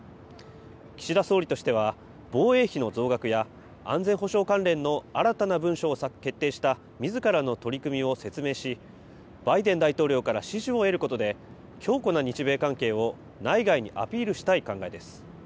岸田総理としては、防衛費の増額や安全保障関連の新たな文書を決定したみずからの取り組みを説明し、バイデン大統領から支持を得ることで、強固な日米関係を内外にアピールしたい考えです。